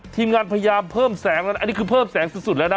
ทีมงานพยายามเพิ่มแสงแล้วนะอันนี้คือเพิ่มแสงสุดแล้วนะ